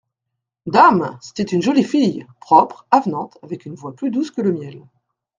Dame ! c'était une jolie fille, propre, avenante, avec une voix plus douce que le miel.